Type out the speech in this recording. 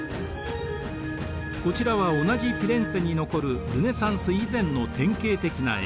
こちらは同じフィレンツェに残るルネサンス以前の典型的な絵。